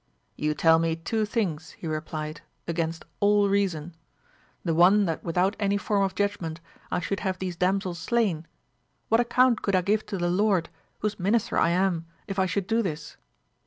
You tell me two things, he replied, against all reason : the one that without any form of judgment I should have these damsels slain, what account could I give to the Lord whose minister I am if I should do this